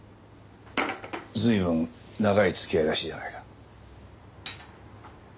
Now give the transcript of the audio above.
随分長い付き合いらしいじゃないか。